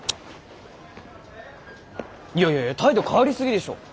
いやいやいや態度変わり過ぎでしょ。